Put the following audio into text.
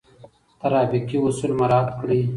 ترافیکي اصول مراعات کړئ.